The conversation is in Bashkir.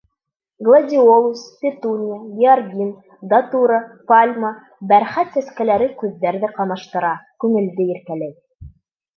Гладиолус, петунья, георгин, датура, пальма, бәрхәт сәскәләре күҙҙәрҙе ҡамаштыра, күңелде иркәләй.